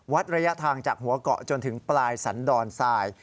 ระยะทางจากหัวเกาะจนถึงปลายสันดอนทราย